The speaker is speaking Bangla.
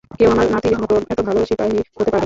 কেউ আমার নাতির মতো এতো ভালো সিপাহী হতে পারবে না।